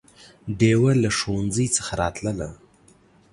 ډېوه له ښوونځي څخه راتلله